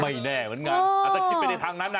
ไม่แน่เหมือนกันอาจจะคิดไปในทางนั้นนะ